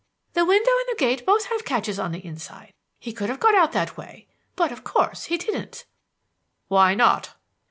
"The window and gate both have catches on the inside. He could have got out that way, but, of course he didn't." "Why not?"